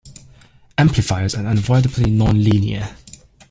Amplifiers are unavoidably non-linear.